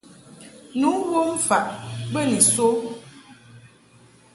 Ni wom faʼ be ni so.